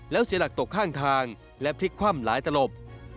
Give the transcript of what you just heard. แล้วเสียหลักตกข้างทางและพลิกคว่ำหลายตลบ